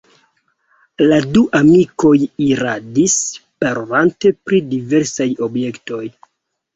La du amikoj iradis, parolante pri diversaj objektoj.